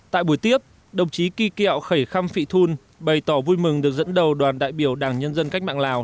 tại buổi tiếp đồng chí kỳ kẹo khẩy khăm phị thun bày tỏ vui mừng được dẫn đầu đoàn đại biểu đảng nhân dân cách mạng lào